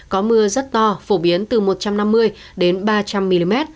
có mưa rất to phổ biến từ một trăm năm mươi đến ba trăm linh mm